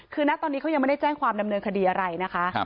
คือนะตอนนี้เขายังไม่ได้แจ้งความดำเนินคดีอะไรนะคะ